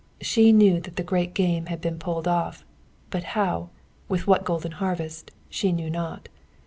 She knew that the great game had been pulled off. But how with what golden harvest she knew not.